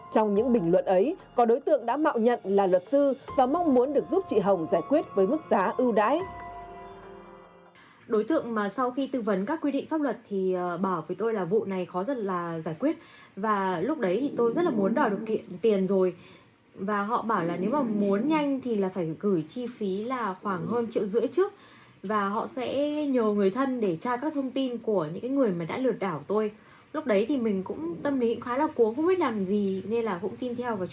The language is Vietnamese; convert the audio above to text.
trong những bình luận ấy có đối tượng đã mạo nhận là luật sư và mong muốn được giúp chị hồng giải quyết với mức giá ưu đãi